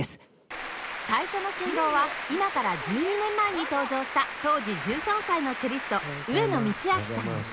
最初の神童は今から１２年前に登場した当時１３歳のチェリスト上野通明さん